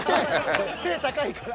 背高いから。